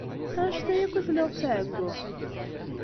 Annect-a akk i telliḍ d taɛeggunt?